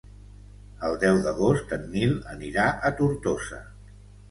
El deu d'agost en Nil anirà a Tortosa.